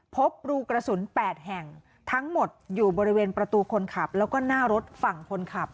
พบรูกระสุน๘แห่งทั้งหมดอยู่บริเวณประตูคนขับแล้วก็หน้ารถฝั่งคนขับ